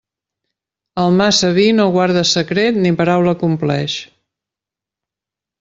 El massa vi no guarda secret ni paraula compleix.